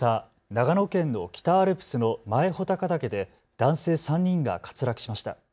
長野県の北アルプスの前穂高岳で男性３人が滑落しました。